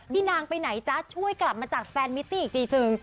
พี่นางไปไหนจ๊ะช่วยกลับมาจัดแฟนมิติ้งอีกนิดนึง